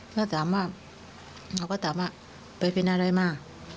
แล้วก็ถามว่าไปเฟ้นอะไรมา